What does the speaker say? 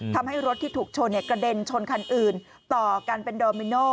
ทำให้รถที่ถูกชนกระเด็นชนคันอื่นต่อกันเป็นโดมิโน